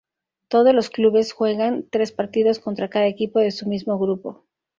Todos los clubes juegan tres partidos contra cada equipo de su mismo grupo.